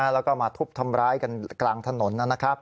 แล้วก็มาทุบทำร้ายกันกลางถนนนะครับ